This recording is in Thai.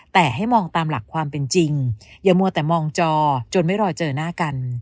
แต่ให้มองตามหลักความเป็นจริงอย่ามัวแต่มองจอจนไม่รอเจอหน้ากัน